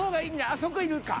あっそこいるか。